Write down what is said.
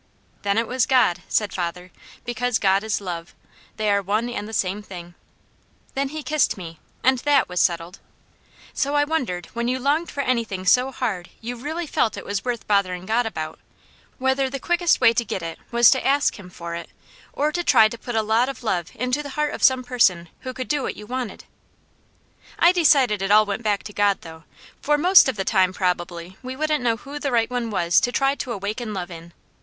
"Then it was God," said father, "because 'God is love.' They are one and the same thing." Then he kissed me, and THAT was settled. So I wondered when you longed for anything so hard you really felt it was worth bothering God about, whether the quickest way to get it was to ask Him for it, or to try to put a lot of love into the heart of some person who could do what you wanted. I decided it all went back to God though, for most of the time probably we wouldn't know who the right one was to try to awaken love in.